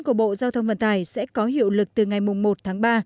của bộ giao thông vận tải sẽ có hiệu lực từ ngày một tháng ba